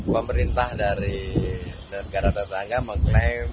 pemerintah dari negara tetangga mengklaim